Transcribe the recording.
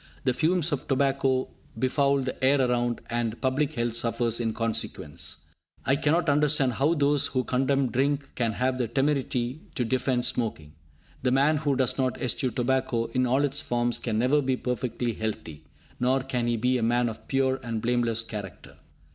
The fumes of tobacco befoul the air around, and public health suffers in consequence. I cannot understand how those who condemn drink can have the temerity to defend smoking. The man who does not eschew tobacco in all its forms can never be perfectly healthy, nor can he be a man of pure and blameless character.